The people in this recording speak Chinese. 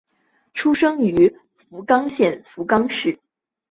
出身于福冈县福冈市。